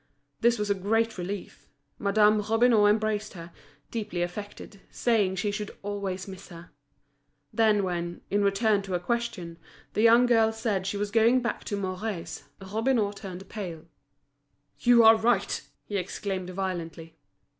This was a great relief. Madame Robineau embraced her, deeply affected, saying she should always miss her. Then when, in reply to a question, the young girl said she was going back to Mouret's, Robineau turned pale. "You are right!" he exclaimed violently.